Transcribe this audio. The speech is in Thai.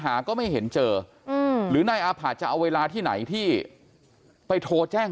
หาก็ไม่เห็นเจอหรือนายอาผะจะเอาเวลาที่ไหนที่ไปโทรแจ้ง